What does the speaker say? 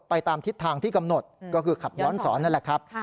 ตามทิศทางที่กำหนดก็คือขับย้อนสอนนั่นแหละครับ